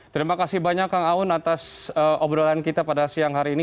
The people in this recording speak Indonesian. terima kasih banyak kang aun atas obrolan kita pada siang hari ini